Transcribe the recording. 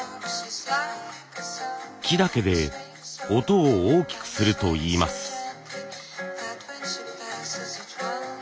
木だけで音を大きくするといいます。